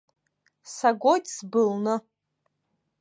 Сагоит сбылны.